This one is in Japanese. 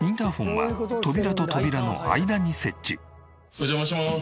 お邪魔します。